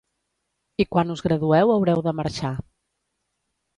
I quan us gradueu haureu de marxar.